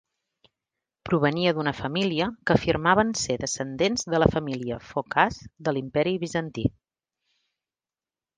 Provenia d'una família que afirmaven ser descendents de la família Focas de l'Imperi bizantí.